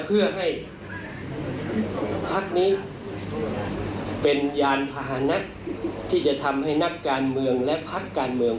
เพื่อให้พักนี้เป็นยานพาหนะที่จะทำให้นักการเมืองและพักการเมือง